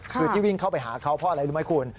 คือที่วิ่งเข้าไปหาเขาเพราะอะไรรู้ไหมคุณ